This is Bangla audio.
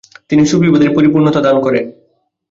তিনি সুফিবাদের পরিপূর্ণতা দান করেন।